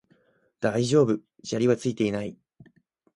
大丈夫、砂利はついていない